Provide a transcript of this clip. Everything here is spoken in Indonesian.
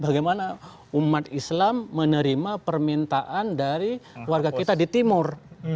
bagaimana umat islam menerima permintaan dari warga kita di timur